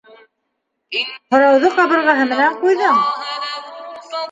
Һорауҙы ҡабырғаһы менән ҡуйҙың.